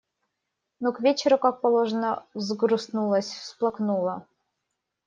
Ну, к вечеру, как положено, взгрустнулось, всплакнула.